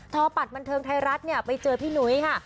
ทอปัดบันเทิงไทยรัฐไปเจอพี่นุ้ยค่ะ